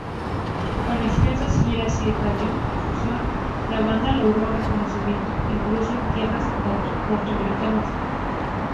Con extensas giras y radiodifusión, la banda logró reconocimiento incluso en tierras norteamericanas.